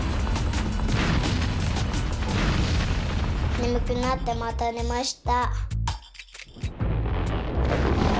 ねむくなってまたねました。